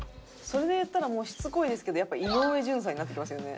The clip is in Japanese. それでいったらもうしつこいですけどやっぱり井上順さんになってきますよね。